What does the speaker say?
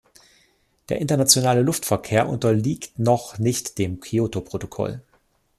Der internationale Luftverkehr unterliegt noch nicht dem Kyoto-Protokoll.